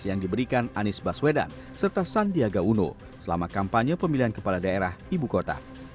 yang diberikan anies baswedan serta sandiaga uno selama kampanye pemilihan kepala daerah ibu kota